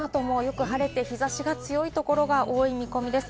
この後もよく晴れて日差しが強いところが多い見込みです。